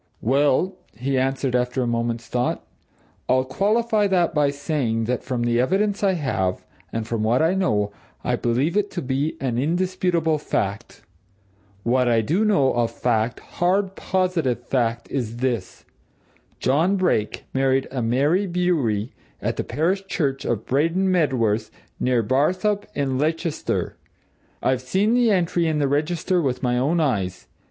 "Well," he answered after a moment's thought, "I'll qualify that by saying that from the evidence I have, and from what I know, I believe it to be an indisputable fact. What I do know of fact, hard, positive fact, is this: John Brake married a Mary Bewery at the parish church of Braden Medworth, near Barthorpe, in Leicestershire: I've seen the entry in the register with my own eyes.